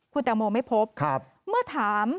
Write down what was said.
คุณแตงโมไม่พบเมื่อถาม